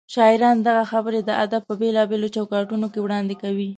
شاعران دغه خبرې د ادب په بېلابېلو چوکاټونو کې وړاندې کوي.